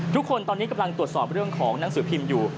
ทุกคนตอนนี้กำลังตรวจสอบเรื่องของหนังสือพิมพ์อยู่